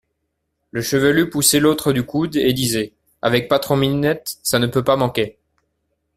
Le chevelu poussait l'autre du coude et disait : Avec Patron-Minette, ça ne peut pas manquer.